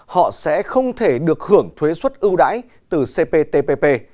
họ sẽ không thể được hưởng thuế xuất ưu đãi từ cptpp